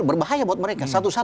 berbahaya buat mereka